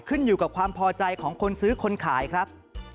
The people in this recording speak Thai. ขึ้นอยู่กับความพอใจของคนซื้อคนขายครับ